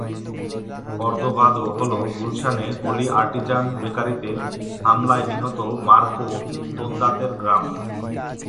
কর্দোভাদো হলো গুলশানে Holey Artisan বেকারিতে হামলায় নিহত মার্কো তোনদাতের গ্রাম।